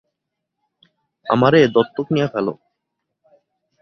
আমারে দত্তক নিয়া ফেলো।